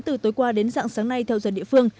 từ tối qua đến dạng sáng nay theo giờ địa phương